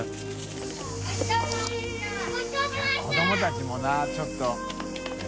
靴拭やっぱ子どもたちもなちょっと。